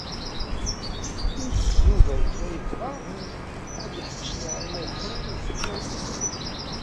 Yuba yella yebɣa ad yeḥmec Naɛima u Ḥsen.